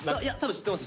知ってます。